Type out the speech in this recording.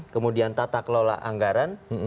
kemudian tata kelola anggaran